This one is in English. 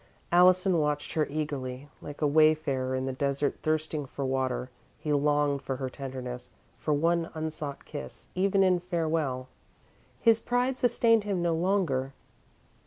Allison watched her eagerly. Like a wayfarer in the desert thirsting for water, he longed for her tenderness; for one unsought kiss, even in farewell. His pride sustained him no longer.